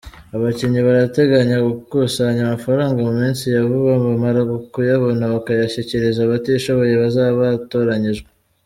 Abakinnyi barateganya gukusanya amafaranga mu minsi ya vuba, bamara kuyabona bakayashyikiriza abatishoboye bazaba batoranyijwe.